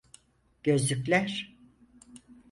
Gözlükler.